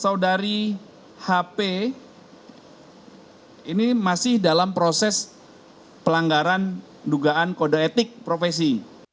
saudari hp ini masih dalam proses pelanggaran dugaan kode etik profesi